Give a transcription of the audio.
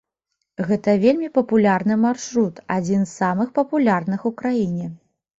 Гэта вельмі папулярны маршрут, адзін з самых папулярных у краіне.